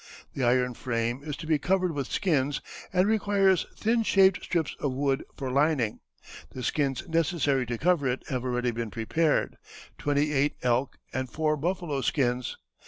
The iron frame is to be covered with skins, and requires thin shaved strips of wood for lining. The skins necessary to cover it have already been prepared twenty eight elk and four buffalo skins."